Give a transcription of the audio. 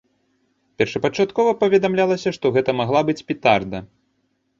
Першапачаткова паведамлялася, што гэта магла быць петарда.